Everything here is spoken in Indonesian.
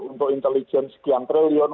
untuk intelijen sekian triliun